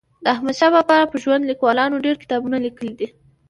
د احمدشاه بابا پر ژوند لیکوالانو ډېر کتابونه لیکلي دي.